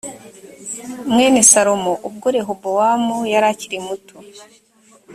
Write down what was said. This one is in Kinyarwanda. mwene salomo ubwo rehobowamu yari akiri muto